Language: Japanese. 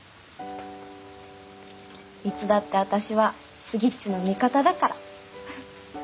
いつだって私はスギッチの味方だから。